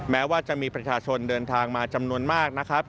แม้ว่าจะมีประชาชนเดินทางมาจำนวนมากนะครับ